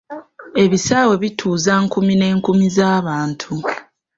Ebisaawe bituuza nkumi n'enkumi z'abantu.